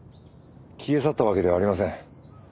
消え去ったわけではありません。